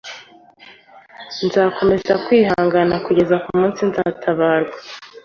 Nzakomeza kwihangana kugeza kumunsi nzatabarwa